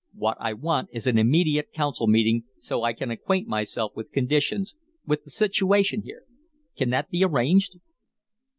What I want is an immediate Council meeting so I can acquaint myself with conditions, with the situation here. Can that be arranged?"